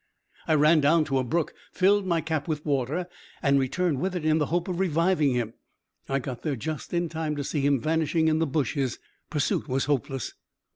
"I ran down to a brook, filled my cap with water, and returned with it in the hope of reviving him. I got there just in time to see him vanishing in the bushes. Pursuit was hopeless."